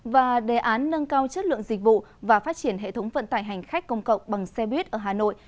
và đề án nâng cao chất lượng dịch vụ và phát triển hệ thống vận tải hành khách công cộng bằng xe buýt ở hà nội